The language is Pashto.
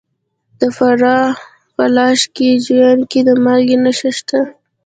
د فراه په لاش او جوین کې د مالګې نښې شته.